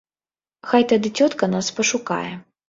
Хай тады цётка нас пашукае.